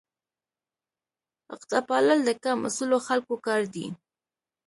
عقده پالل د کم اصلو خلکو کار دی.